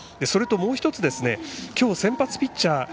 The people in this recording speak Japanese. それともう１つきょう先発ピッチャー